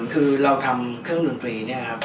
คือเราทำเครื่องดนตรีเนี่ยครับ